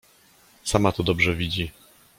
— Sama to dobrze widzi.